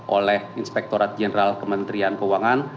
oleh inspektorat jenderal kementerian keuangan